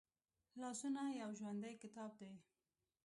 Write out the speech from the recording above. لاسونه یو ژوندی کتاب دی